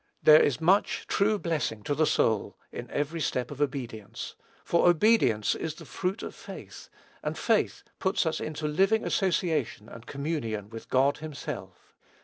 There is much true blessing to the soul in every step of obedience, for obedience is the fruit of faith; and faith puts us into living association and communion with God himself.